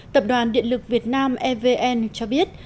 tập đoàn điện lực việt nam evn cho biết